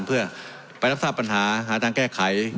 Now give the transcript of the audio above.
เพื่อไปรับทราบปัญหาหาทางแก้ไข